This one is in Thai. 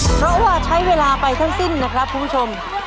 เพราะว่าใช้เวลาไปทั้งสิ้นนะครับคุณผู้ชม